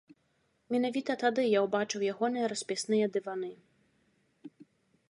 Менавіта тады я ўбачыў ягоныя распісныя дываны.